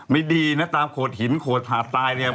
ไม่ดีนะตามโหดหินโหดหาตาย